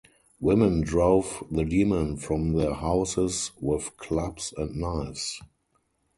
Women drove the demon from their houses with clubs and knives.